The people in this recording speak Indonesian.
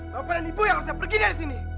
bapak dan ibu yang harusnya pergi dari sini